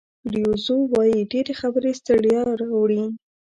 لیو زو وایي ډېرې خبرې ستړیا راوړي.